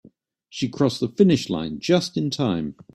She crossed the finish line just in time.